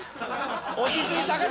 落ち着いて！